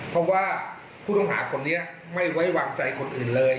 เพราะว่าผู้ต้องหาคนนี้ไม่ไว้วางใจคนอื่นเลย